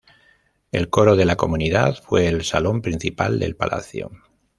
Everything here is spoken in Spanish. El coro de la comunidad fue el salón principal del palacio.